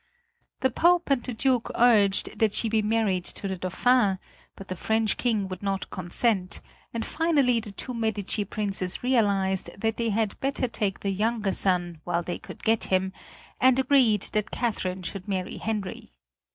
The Pope and the Duke urged that she be married to the Dauphin, but the French King would not consent, and finally the two Medici princes realized that they had better take the younger son while they could get him, and agreed that Catherine should marry Henry.